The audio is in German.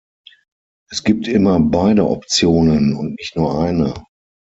Es gibt immer beide Optionen und nicht nur eine.